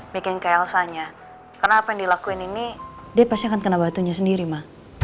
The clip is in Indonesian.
mikirin ke elsanya karena apa yang dilakuin ini dia pasti akan kena batunya sendiri ma